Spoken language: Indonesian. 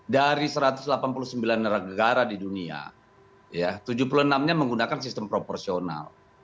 dari satu ratus delapan puluh sembilan negara di dunia tujuh puluh enam nya menggunakan sistem proporsional